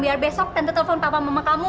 biar besok tentu telepon papa mama kamu